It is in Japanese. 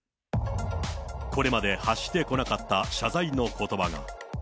これまで発してこなかった謝罪のことばが。